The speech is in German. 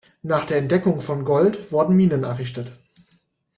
Nach der Entdeckung von Gold wurden Minen errichtet.